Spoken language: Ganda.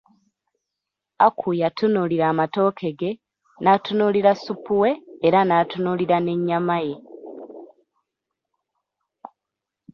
Aku yatunuulira amatooke ge, n'atunuulira supu we era n'atunulira n'ennyama ye .